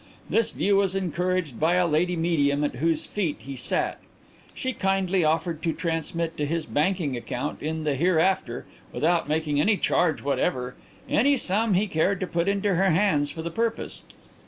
This view was encouraged by a lady medium at whose feet he sat. She kindly offered to transmit to his banking account in the Hereafter, without making any charge whatever, any sum that he cared to put into her hands for the purpose.